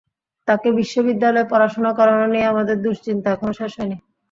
তাকে বিশ্ববিদ্যালয়ে পড়াশোনা করানো নিয়ে আমাদের দুশ্চিন্তা এখনো শেষ হচ্ছে না।